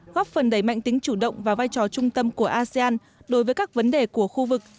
góp phần đẩy mạnh tính chủ động và vai trò trung tâm của asean đối với các vấn đề của khu vực